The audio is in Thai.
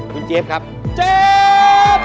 คุณเจฟครับเจฟ